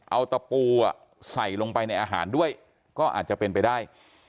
เอาตะปูใส่ลงไปในอาหารด้วยก็อาจจะเป็นไปได้